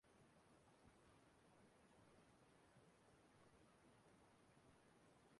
N'ịkatọ nke ahụ